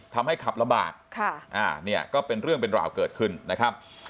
ทำให้ขับลำบากค่ะอ่าเนี่ยก็เป็นเรื่องเป็นราวเกิดขึ้นนะครับ